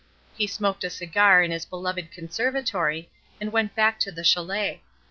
He smoked a cigar in his beloved conservatory, and went back to the châlet.